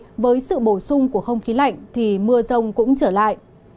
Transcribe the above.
từ ngày mùng hai trở đi với sự bổ sung của không khí lạnh thì mưa rông cũng trở lại